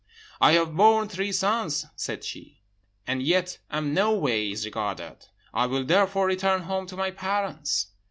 'I have borne three sons,' said she, 'and yet am noways regarded; I will therefore return home to my parents.'